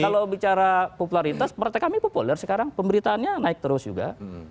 kalau bicara popularitas partai kami populer sekarang pemberitaannya naik terus juga